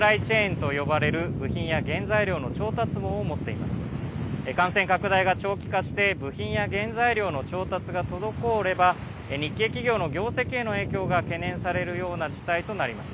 感染拡大が長期化して部品や原材料の調達が滞れば、日系企業の業績への影響が懸念されるような事態になります。